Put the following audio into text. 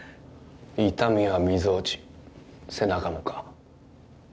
痛みはみぞおち背中もか？